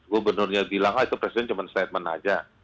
gubernurnya bilang itu presiden cuma statement saja